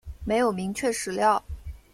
没有明确史料